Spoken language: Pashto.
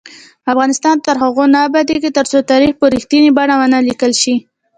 افغانستان تر هغو نه ابادیږي، ترڅو تاریخ په رښتینې بڼه ونه لیکل شي.